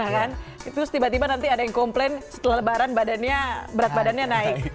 terus tiba tiba nanti ada yang komplain setelah lebaran badannya berat badannya naik